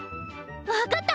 分かった！